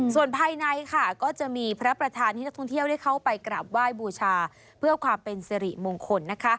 ส่วนภายในค่ะก็จะมีพระประธานให้นักท่องเที่ยวได้เข้าไปกราบไหว้บูชาเพื่อความเป็นสิริมงคลนะคะ